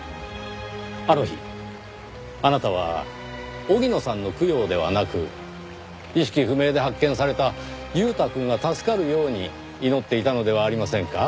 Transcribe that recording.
あの日あなたは荻野さんの供養ではなく意識不明で発見された悠太くんが助かるように祈っていたのではありませんか？